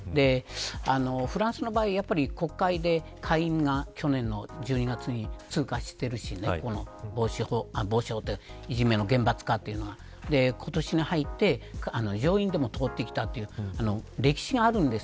フランスの場合、やっぱり国会で下院が去年の１０月に通過しているしいじめの厳罰化というのは今年に入って上院でも通ってきたという歴史があるわけです。